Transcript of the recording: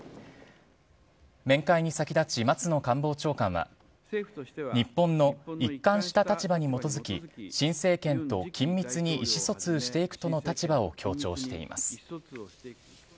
面会に先立ち松野官房長官は、日本の一貫した立場に基づき、新政権と緊密に意思疎通していくとの立場を強調しています。